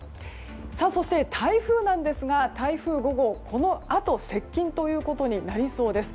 そして台風ですが台風５号はこのあと接近ということになりそうです。